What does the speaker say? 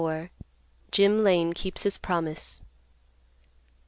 JIM LANE KEEPS HIS PROMISE.